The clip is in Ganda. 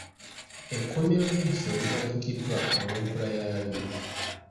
Ekkuumiro ly'ebisolo limanyikiddwa olw'enkula yaalyo .